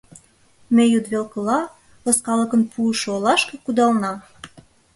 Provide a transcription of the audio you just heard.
Ме йӱдвелкыла, ласкалыкын пуышо олашке кудална.